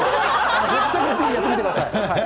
ご自宅でぜひやってみてください。